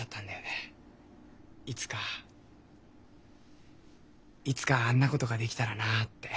いつかいつかあんなことができたらなって。